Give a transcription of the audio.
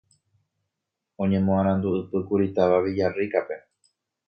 Oñemoarandu'ypýkuri táva Villarrica-pe